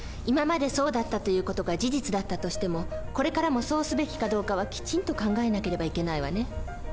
今までそうだったという事が事実だったとしてもこれからもそうすべきかどうかはきちんと考えなければいけないわね。